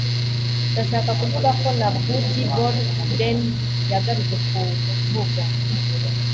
ndashaka kuvuga ko na buddy bolden yagarutse kuvuga